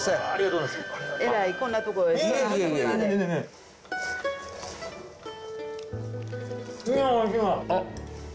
あっ！